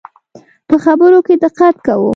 په خبرو کي دقت کوه